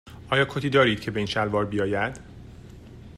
آیا کتی دارید که به این شلوار بیاید؟